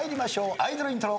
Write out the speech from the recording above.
アイドルイントロ。